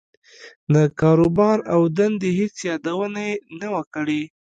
د کاروبار او دندې هېڅ يادونه يې نه وه کړې.